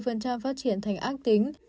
một mươi phát triển thành ác tính